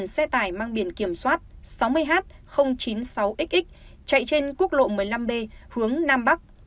xe tải mang biển kiểm soát sáu mươi h chín mươi sáu xx chạy trên quốc lộ một mươi năm b hướng nam bắc